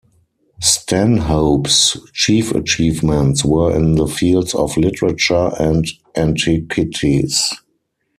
Stanhope's chief achievements were in the fields of literature and antiquities.